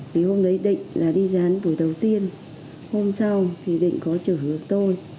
vì hôm đấy định là đi dán buổi đầu tiên hôm sau thì định có trở hứa tôi